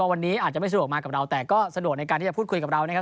วันนี้อาจจะไม่สะดวกมากับเราแต่ก็สะดวกในการที่จะพูดคุยกับเรานะครับ